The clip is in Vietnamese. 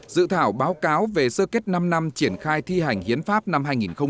dự thảo báo cáo về sơ kết năm năm triển khai thi hành hiến pháp năm hai nghìn một mươi ba